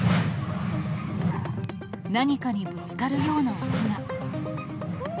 何かにぶつかるような音が。